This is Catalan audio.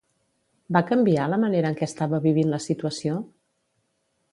Va canviar la manera en què estava vivint la situació?